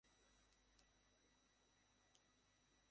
তাই অন্যরা ঈদে আনন্দ করতে পারলেও জেলে পরিবারের দিনটি কেটেছে কষ্টে।